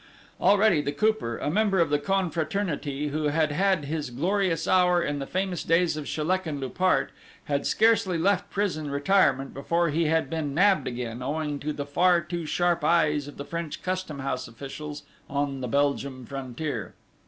Already the Cooper, a member of the confraternity who had had his glorious hour in the famous days of Chaleck and Loupart, had scarcely left prison retirement before he had been nabbed again, owing to the far too sharp eyes of the French custom house officials on the Belgian frontier.